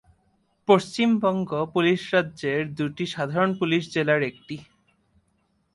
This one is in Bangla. পশ্চিমবঙ্গ পুলিশ রাজ্যের দুটি সাধারণ পুলিশ জেলার একটি।